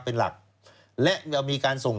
เป็นหลักและจะมีการส่ง